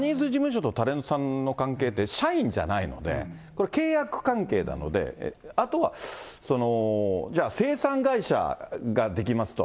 ジャニーズ事務所とタレントさんの関係って、社員じゃないので、これ、契約関係なので、あとは、じゃあ清算会社が出来ますと。